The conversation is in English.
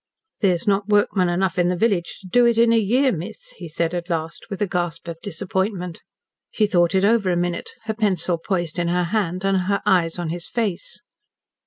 "There's not workmen enough in the village to do it in a year, miss," he said at last, with a gasp of disappointment. She thought it over a minute, her pencil poised in her hand and her eyes on his face.